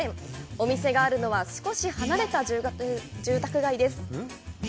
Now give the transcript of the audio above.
お店があるのは少し離れた住宅街です。